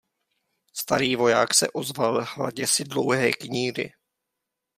Starý voják se ozval, hladě si dlouhé kníry.